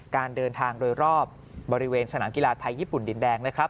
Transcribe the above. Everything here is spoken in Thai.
การเดินทางโดยรอบบริเวณสนามกีฬาไทยญี่ปุ่นดินแดงนะครับ